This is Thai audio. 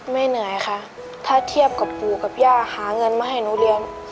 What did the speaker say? เหนื่อยค่ะถ้าเทียบกับปู่กับย่าหาเงินมาให้หนูเรียน